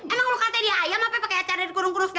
emang lo kate di hayam apa pake acara di kurung kurung segala